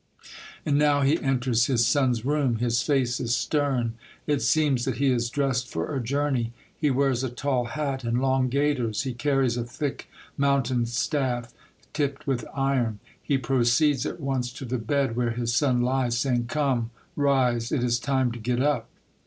And now he enters his son's room. His face is stern. It seems that he is dressed for a journey. He wears a tall hat and long gaiters ; he carries a thick mountain staff tipped with iron. He pro ceeds at once to the bed where his son Hes, saying, " Come, rise ! It is time to get up